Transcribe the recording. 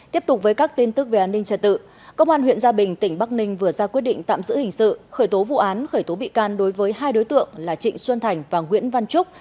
tiếp tục với các tin tức về an ninh trật tự công an huyện gia bình tỉnh bắc ninh vừa ra quyết định tạm giữ hình sự khởi tố vụ án khởi tố bị can đối với hai đối tượng là trịnh xuân thành và nguyễn văn trúc